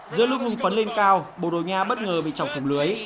giữa lúc hùng phấn lên cao borogna bất ngờ bị chọc khủng lưới